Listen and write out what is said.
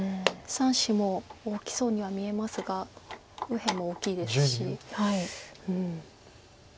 ３子も大きそうには見えますが右辺も大きいですし。